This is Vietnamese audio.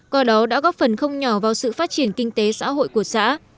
qua đó đã góp phần không nhỏ vào sự phát triển kinh tế xã hội của xã